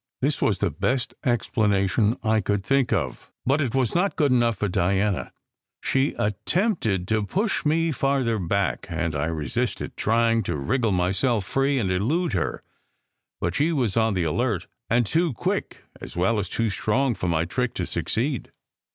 This was the best explanation I could think of. But it was not good enough for Diana. She attempted to push me farther back, and I resisted, trying to wriggle myself free and elude her; but she was on the alert, and too quick as well as too strong for my trick to succeed.